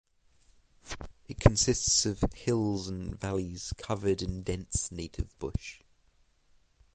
It consists of hills and valleys covered in dense native bush.